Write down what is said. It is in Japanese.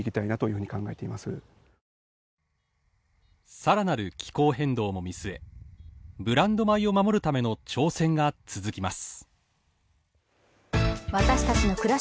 更なる気候変動も見据えブランド米を守るための挑戦が続きます。